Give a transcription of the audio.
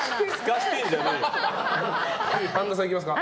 神田さんいきますか。